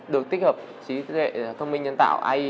được tích hợp chiếc thiết lệ thông minh nhân tạo ai